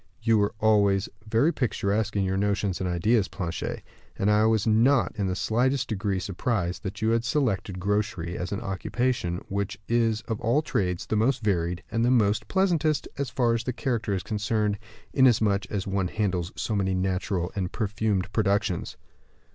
You were always very picturesque in your notions and ideas, Planchet; and I was not in the slightest degree surprised to find you had selected grocery as an occupation, which is of all trades the most varied, and the very pleasantest, as far as the character is concerned; inasmuch as one handles so many natural and perfumed productions."